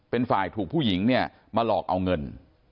เป็นฝ่ายถูกผู้หญิงเนี่ยมาหลอกเอาเงิน